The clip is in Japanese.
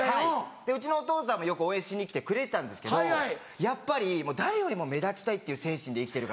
うちのお父さんもよく応援しに来てくれてたんですけどやっぱり誰よりも目立ちたいっていう精神で生きてるから。